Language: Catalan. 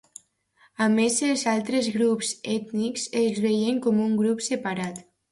A més els altres grups ètnics els veien com un grup separat.